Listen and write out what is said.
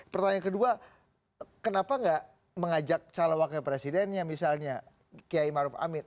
pertanyaan kedua kenapa nggak mengajak calon wakil presidennya misalnya kiai maruf amin